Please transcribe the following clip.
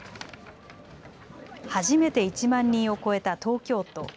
初めて１万人を超えた東京都。